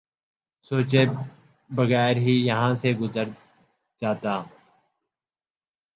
سوچے بغیر ہی یہاں سے گزر جاتا